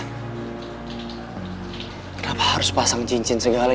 kenapa harus pasang cincin segala